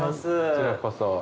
こちらこそ。